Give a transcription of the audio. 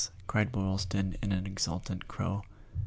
cried Boylston in an exul JL tant crow.